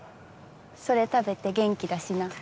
それ食べて元気出しな。